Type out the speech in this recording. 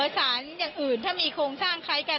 สารอย่างอื่นถ้ามีโครงสร้างคล้ายกัน